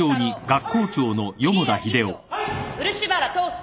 漆原透介。